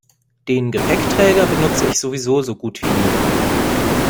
Den Gepäckträger benutze ich sowieso so gut wie nie.